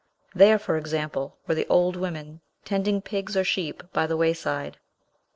There, for example, were the old women, tending pigs or sheep by the wayside.